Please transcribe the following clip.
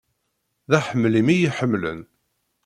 D aḥemmel-im i y-iḥemmlen.